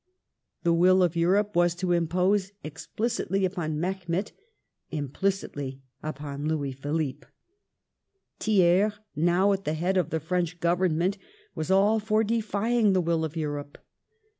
The will of Europe was to be imposed explicitly upon Mehemet ; implicitly upon Louis Philippe. Thiers, now at the head of the French Government, was all for defying the will of Europe.